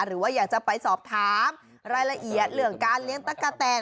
หรือว่าอยากจะไปสอบถามรายละเอียดเรื่องการเลี้ยงตั๊กกะแตน